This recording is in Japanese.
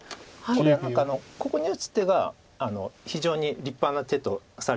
これ何かここに打つ手が非常に立派な手とされています。